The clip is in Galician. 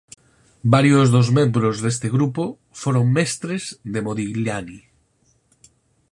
Varios dos membros deste grupo foron mestres de Modigliani.